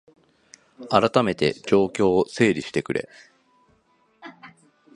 あらためて状況を整理してくれ